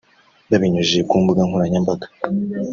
Babinyujije ku mbuga nkoranyambaga